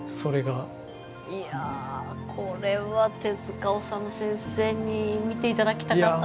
いやこれは手治虫先生に見て頂きたかったですね。